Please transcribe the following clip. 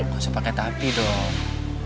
gak usah pake tapi dong